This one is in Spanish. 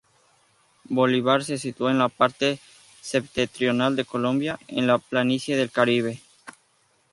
Bolívar se sitúa en la parte septentrional de Colombia, en la planicie del Caribe.